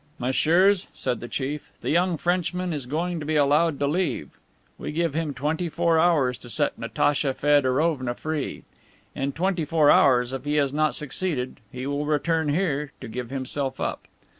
"Messieurs," said the chief, "the young Frenchman is going to be allowed to leave. We give him twenty four hours to set Natacha Feodorovna free. In twenty four hours, if he has not succeeded, he will return here to give himself up."